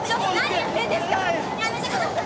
やめてください。